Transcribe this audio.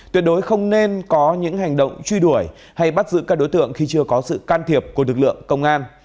tuyệt đối không nên có những hành động truy đuổi hay bắt giữ các đối tượng khi chưa có sự can thiệp của lực lượng công an